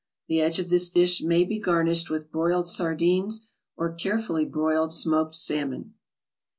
The edge of this dish may be garnished with broiled sardines or carefully broiled smoked salmon.